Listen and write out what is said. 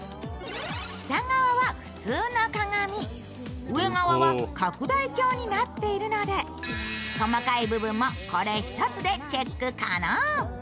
下側は普通の鏡、上側は拡大鏡になっているので細かい部分もこれ１つでチェック可能。